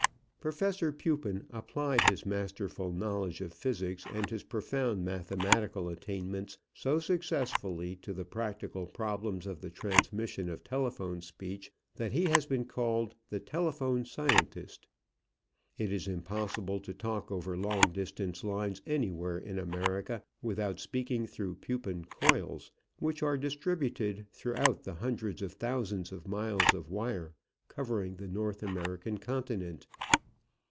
Professor Pupin applied his masterful knowledge of physics and his profound mathematical attainments so successfully to the practical problems of the transmission of telephone speech that he has been called "the telephone scientist." It is impossible to talk over long distance lines anywhere in America without speaking through Pupin coils, which are distributed throughout the hundreds of thousands of miles of wire covering the North American continent.